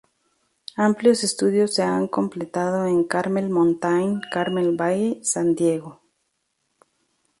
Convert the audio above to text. Amplios estudios se han completado en Carmel Mountain, Carmel Valley, San Diego.